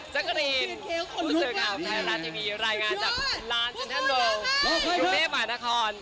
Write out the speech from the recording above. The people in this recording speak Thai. จักรีนดูสึกครับไทยรัตทีวีรายงานจากร้านเซ็นเทอร์โลอยู่เทพหวานทะคอน